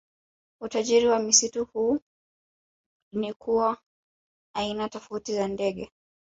Utajiri wa msitu huu ni kwa aina tofauti za ndege